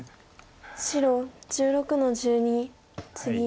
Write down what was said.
白１６の十二ツギ。